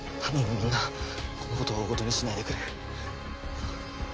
みんなこの事は大ごとにしないでくれ。